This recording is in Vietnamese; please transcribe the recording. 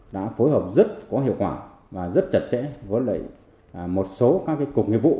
đã phối hợp rất có hiệu quả và rất chặt chẽ với một số các cục nghiệp vụ